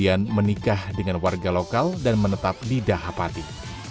kemudian menikah dengan warga lokal dan menetap di dahapati